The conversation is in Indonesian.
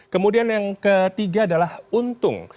kemudian yang ketiga adalah untung